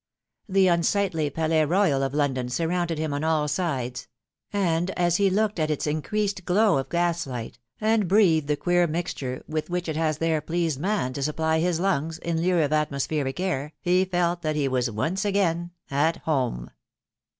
The unsightly Palais Koyal of London surrounded him on all sides ; and as he looked at its increased glow of gaslight, and breathed the queer mixture with which it has there pleased man to supply his lungs, in lieu of atmospheric air, he felt that he was once again at HOME